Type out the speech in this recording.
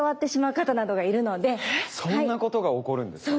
そんなことが起こるんですか？